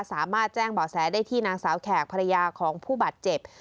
สามารถแจ้งเบาะแสได้ที่นางสาวแขกภรรยาของผู้บาดเจ็บ